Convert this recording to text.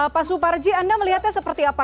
pak suparji anda melihatnya seperti apa